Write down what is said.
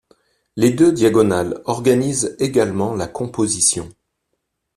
Les deux diagonales organisent également la composition.